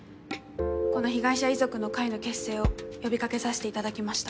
この被害者遺族の会の結成を呼びかけさせていただきました。